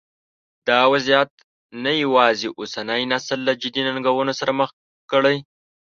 دا وضعیت نه یوازې اوسنی نسل له جدي ننګونو سره مخ کړی.